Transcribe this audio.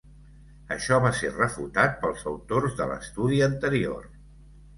Això va ser refutat pels autors de l'estudi anterior.